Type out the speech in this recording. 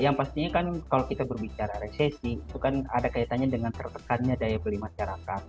yang pastinya kan kalau kita berbicara resesi itu kan ada kaitannya dengan tertekannya daya beli masyarakat